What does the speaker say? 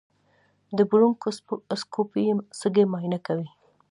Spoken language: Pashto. د برونکوسکوپي سږي معاینه کوي.